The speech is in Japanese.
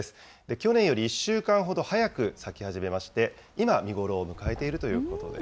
去年より１週間ほど早く咲き始めまして、今、見頃を迎えているということです。